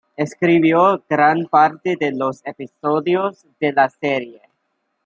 Escribió gran parte de los episodios de la serie.